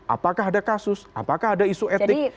apakah ada kasus apakah ada isu etik